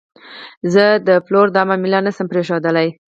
زه د پلور دا معامله نه شم پرېښودلی.